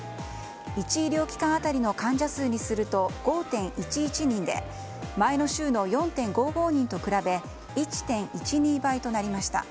１医療機関当たりの患者数にすると５．１１人で前の週の４．５５人と比べ１．１２倍となりました。